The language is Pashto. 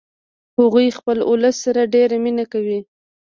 هغوی خپل ولس سره ډیره مینه کوي